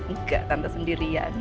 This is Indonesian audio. nggak tante sendirian